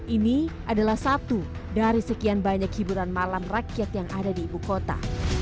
ini adalah satu dari sekian banyak hiburan malam rakyat yang ada di ibu kota